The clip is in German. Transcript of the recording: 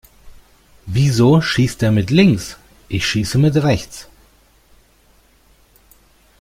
Wieso schießt der mit links? Ich schieße mit rechts.